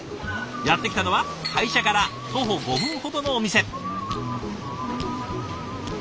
やって来たのは会社から徒歩５分ほどのお店。